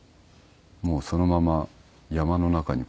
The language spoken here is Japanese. もうそのまま山の中にこう。